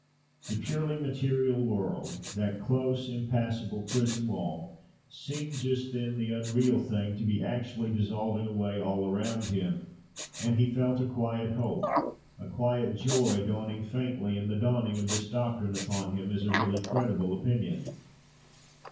The purely material world, that close, impassable prison wall, seemed just then the unreal thing, to be actually dissolving away all around him: and he felt a quiet hope, a quiet joy dawning faintly, in the dawning of this doctrine upon him as a really credible opinion.